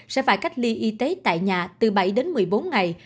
sẽ phải cách ly y tế tại nhà từ bảy đến một mươi bốn ngày